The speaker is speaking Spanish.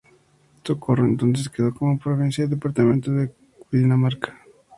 Socorro entonces quedó como provincia del departamento de Cundinamarca.